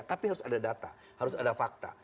tapi harus ada data harus ada fakta